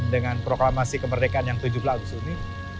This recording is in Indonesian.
dengan proklamasi kemerdekaan yang tujuh belas agustus ini